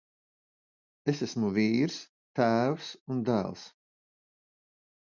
Es esmu vīrs, tēvs un dēls.